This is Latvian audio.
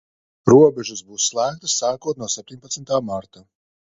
Robežas būs slēgtas sākot no septiņpadsmitā marta.